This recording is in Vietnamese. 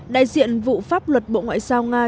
đại diện vụ pháp luật bộ ngoại giao nga roman kolodkin